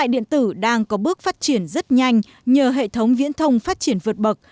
điện tử đang có bước phát triển rất nhanh nhờ hệ thống viễn thông phát triển vượt bậc